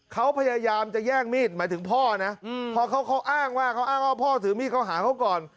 เขาพยายามจะแย่งมีดหมายถึงพ่อนะพอเขาอ้างว่าเขาอ้างว่าพ่อถือมีดเขาหาเขาก่อน